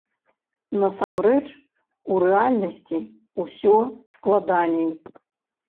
Насамрэч, у рэальнасці ўсё складаней.